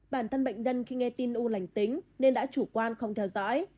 bản thân bệnh nhân khi nghe tin u lành tính nên đã chủ quan không theo dõi